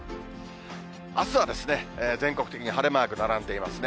あすはですね、全国的に晴れマーク並んでいますね。